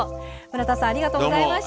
村田さんありがとうございました。